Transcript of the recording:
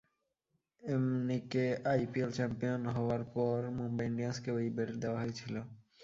এমনিকে IPL champion হওয়ার পর মুম্বাই ইন্ডিয়ানসকেও এই বেল্ট দেওয়া হয়েছিল।